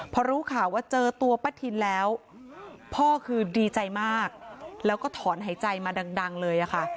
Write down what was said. พอรู้ข่าวว่าเจอตัวป้าทินแล้วพ่อคือดีใจมากแล้วก็ถอนหายใจมาดังเลยค่ะ